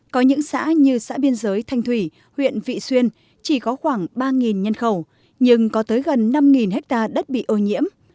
có những xã như xã biên giới thanh thủy huyện vị xuyên chỉ có khoảng ba nhân khẩu nhưng có tới gần năm hectare đất bị ô nhiễm